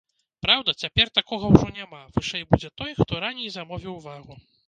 Праўда, цяпер такога ўжо няма, вышэй будзе той, хто раней замовіў вагу.